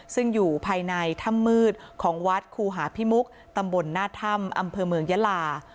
ซึ่งอยู่ภายในถ้ำมืดของวัดคูหาพิมุกตำบลหน้าถ้ำอำเภอเมืองยาลา